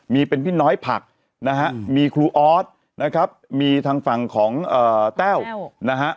มีเป็นพี่น้อยผักนะฮะมีครูออสนะครับมีทางฝั่งของแต้วนะฮะ